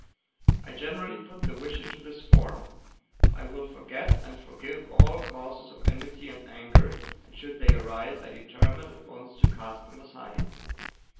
I generally put the wish into this form: "I will forget and forgive all causes of enmity and anger, and should they arise I determine at once to cast them aside."